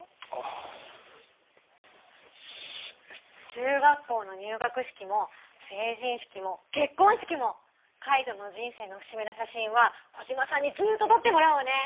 中学校の入学式も成人式も結こん式もカイトの人生の節目の写真はコジマさんにずっととってもらおうね。